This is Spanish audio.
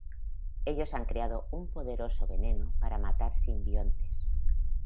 Ellos han creados un poderoso veneno para matar simbiontes.